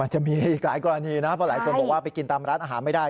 จะมีอีกหลายกรณีนะเพราะหลายคนบอกว่าไปกินตามร้านอาหารไม่ได้